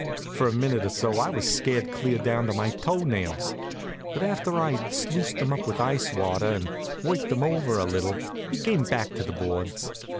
For a minute or so I was scared clear down to my toe nails; but after I'd sluiced him with ice water and worked over him a little, he came back to the boards.